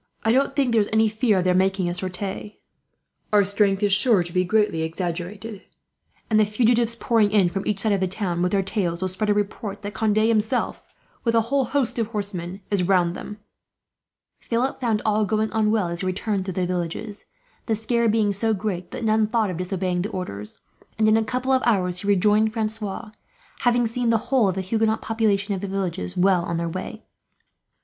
I don't think there is any fear of their making a sortie. Our strength is sure to be greatly exaggerated; and the fugitives, pouring in from each side of the town with their tales, will spread a report that Conde himself, with a whole host of horsemen, is around them." Philip found all going on well, as he returned through the villages, the scare being so great that none thought of disobeying the orders; and in a couple of hours he rejoined Francois, having seen the whole of the Huguenot population of the villages well on their way.